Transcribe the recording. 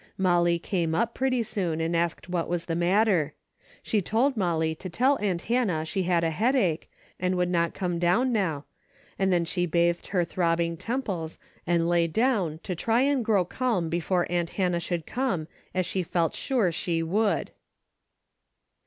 Molly came up pretty soon and asked what was the matter. She told Molly to tell aunt Hannah she had a headache, and would not come down now, and then she bathed her throbbing temples and lay down to try and grow calm before aunt Hannah should come as she felt sure she would.